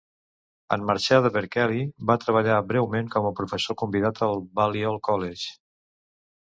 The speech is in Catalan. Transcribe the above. En marxar de Berkeley, va treballar breument com a professor convidat al Balliol College.